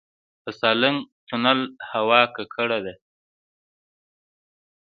د سالنګ تونل هوا ککړه ده